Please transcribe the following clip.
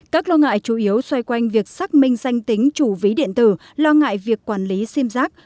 các lo ngại chủ yếu xoay quanh việc xác minh danh tính chủ ví điện tử lo ngại việc quản lý sim giác